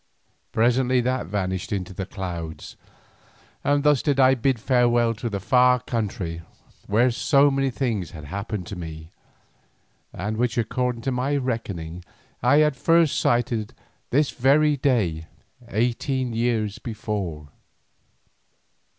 Presently that vanished into the clouds, and thus did I bid farewell to the far country where so many things had happened to me, and which according to my reckoning I had first sighted on this very day eighteen years before.